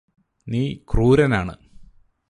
നീ ക്രൂരനാണ്